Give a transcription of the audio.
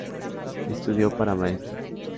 Estudió para maestro.